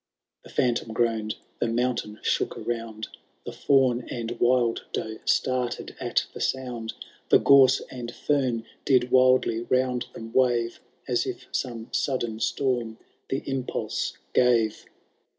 X. The Phantom gnMui*d v— the mountain shook around The &wn and wild doe started at the sound. Hie gone and fern did wildly round ihem wave^ As if some sudden stoim the impulse gave.